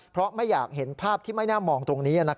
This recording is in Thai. เพราะไม่อยากเห็นภาพที่ไม่น่ามองตรงนี้